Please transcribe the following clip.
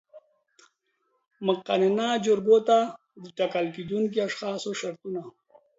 مقننه جرګو ته د ټاکل کېدونکو اشخاصو شرطونه